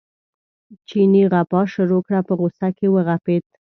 چیني غپا شروع کړه په غوسه کې وغپېد.